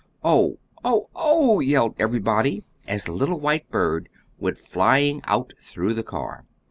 "Oh! oh! oh!" yelled everybody, as the little white bird went flying out through the car.